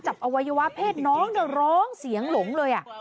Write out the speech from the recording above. จับอวัยวะเพศน้องแต่ร้องเสียงหลงเลยอ่ะ